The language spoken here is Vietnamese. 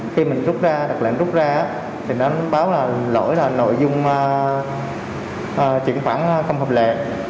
khi mình rút ra đặc lệnh rút ra thì nó báo là lỗi là nội dung chuyển khoản không hợp lệ